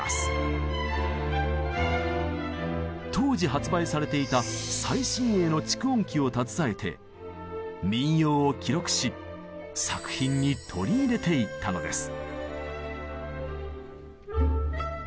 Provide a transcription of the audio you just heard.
当時発売されていた最新鋭の蓄音機を携えて民謡を記録し作品に取り入れていったのです。